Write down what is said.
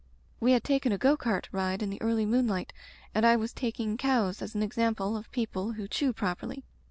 We had taken a go cart ride in the early moonlight and I was taking cows as an example of people who chew properly.